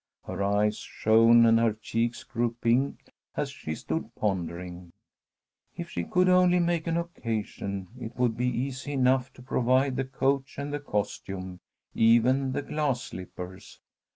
Her eyes shone and her cheeks grew pink as she stood pondering. If she could only make an occasion, it would be easy enough to provide the coach and the costume, even the glass slippers.